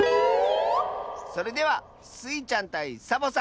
それではスイちゃんたいサボさん